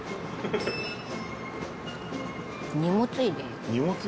荷物入れ？